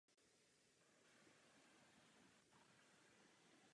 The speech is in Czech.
Byla vyšlechtěna řada kultivarů.